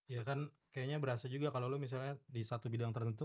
ya kan kayaknya berasa juga kalo lu misalnya di satu bidang tertentu